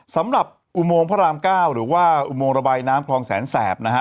สำหรับอุโมงพระราม๙หรือว่าอุโมงระบายน้ำคลองแสงแสบนะฮะ